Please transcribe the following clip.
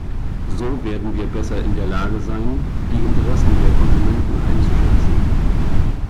So werden wir besser in der Lage sein, die Interessen der Konsumenten einzuschätzen.